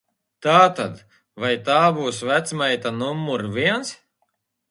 Tātad, vai tā būs vecmeita numur viens?